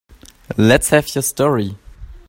Let's have your story.